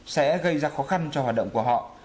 sẽ gây ra khó khăn cho hoạt động của họ